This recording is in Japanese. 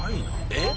えっ？